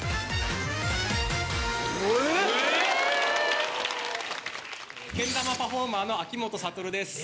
・え・・え・けん玉パフォーマーの秋元悟です。